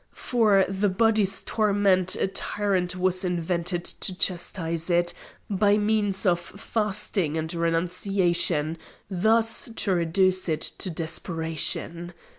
For the body's torment a tyrant was invented to chastise it by means of fasting and renunciation, thus to reduce it to desperation.